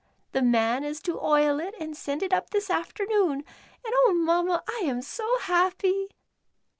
The man is to oil it and send it up this afternoon, and oh. Mamma, I am so happy."